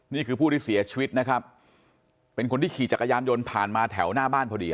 นี่คือผู้ที่เสียชีวิตนะครับเป็นคนที่ขี่จักรยานยนต์ผ่านมาแถวหน้าบ้านพอดี